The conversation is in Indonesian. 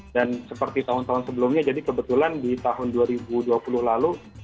dan seperti tahun tahun sebelumnya jadi kebetulan di tahun dua ribu dua puluh lalu